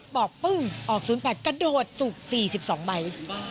ปึ้งออก๐๘กระโดดสูบ๔๒ใบ